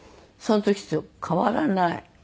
その時と変わらない。